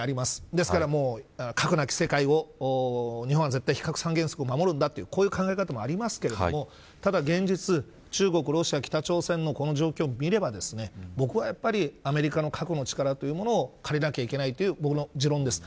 ですから、核なき世界を日本は非核三原則を絶対に守るんだとこういう考えもありますがただ現実、中国、ロシア北朝鮮の状況を見れば僕はやっぱりアメリカの核の力というものを借りなければいけないという持論です。